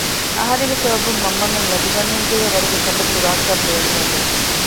އަހަރެންގެ ސަބަބުން މަންމަމެން ލަދު ގަންނަންޖެހޭ ވަރުގެ ކަމެއް ކުރާކަށް ބޭނުމެއް ނޫން